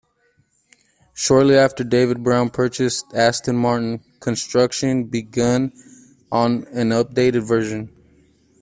Shortly after David Brown purchased Aston Martin, construction began on an updated version.